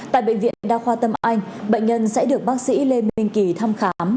tại bệnh viện đa khoa tâm anh bệnh nhân sẽ được bác sĩ lê minh kỳ thăm khám